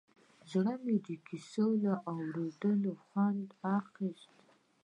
زوی مې د کیسو له اورېدو خوند اخیست